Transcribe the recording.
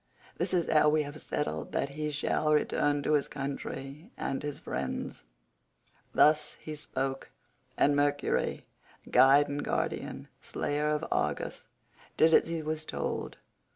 This is how we have settled that he shall return to his country and his friends." Thus he spoke, and Mercury, guide and guardian, slayer of Argus, did as he was told.